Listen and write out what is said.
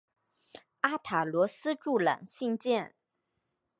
阿塔罗斯柱廊兴建。